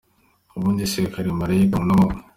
!ubundi se hari marayika muntu ubaho?